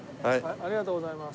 ありがとうございます。